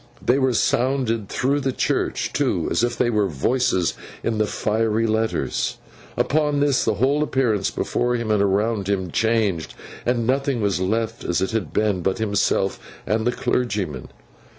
They were sounded through the church, too, as if there were voices in the fiery letters. Upon this, the whole appearance before him and around him changed, and nothing was left as it had been, but himself and the clergyman.